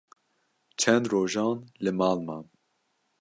çend rojan li mal mam.